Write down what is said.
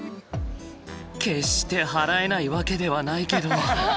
決して払えないわけではないけど。